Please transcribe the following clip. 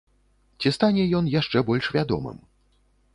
Ці стане ён яшчэ больш вядомым?